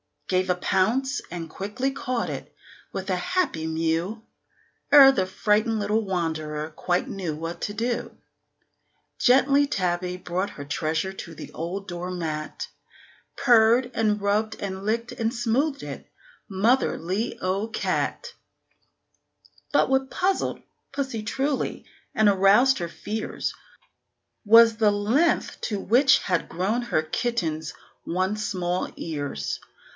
Gave a pounce, and quickly caught it, with a happy mew, Ere the frightened little wanderer quite knew what to do. Gently Tabby brought her treasure to the old door mat, Purred, and rubbed and licked and smoothed it motherly old cat! But what puzzled pussy truly, and aroused her fears, Was the length to which had grown her kitten's once small ears.